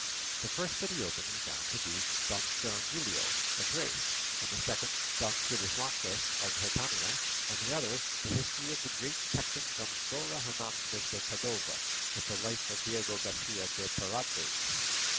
The first that he opened he found to be "Don Cirongilio of Thrace," and the second "Don Felixmarte of Hircania," and the other the "History of the Great Captain Gonzalo Hernandez de Cordova, with the Life of Diego Garcia de Paredes."